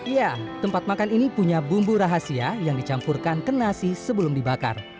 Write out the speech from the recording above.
ya tempat makan ini punya bumbu rahasia yang dicampurkan ke nasi sebelum dibakar